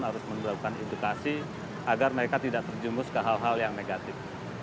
harus melakukan edukasi agar mereka tidak terjemus ke hal hal yang negatif